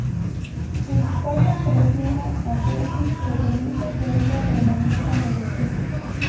Su victoria impresiona a Tenzin, que permite que ella permanezca en el equipo.